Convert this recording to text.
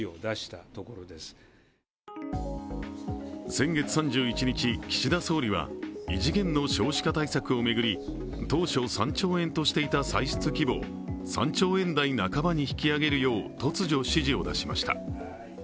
先月３１日、岸田総理は異次元の少子化対策を巡り当初３兆円としていた歳出規模を３兆円台半ばに引き上げるよう突如指示を出しました。